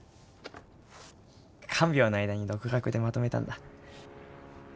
看病の間に独学でまとめたんだ。